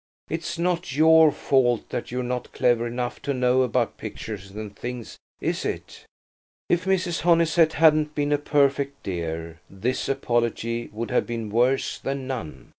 "It's not your fault that you're not clever enough to know about pictures and things, is it?" If Mrs. Honeysett hadn't been a perfect dear, this apology would have been worse than none.